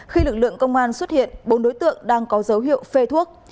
khi lực lượng công an xuất hiện bốn đối tượng đang có dấu hiệu phê thuốc